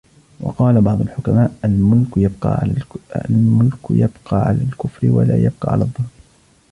وَقَالَ بَعْضُ الْحُكَمَاءِ الْمُلْكُ يَبْقَى عَلَى الْكُفْرِ وَلَا يَبْقَى عَلَى الظُّلْمِ